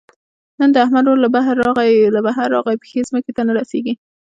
نن د احمد ورور له بهر راغی؛ پښې ځمکې ته نه رسېږي.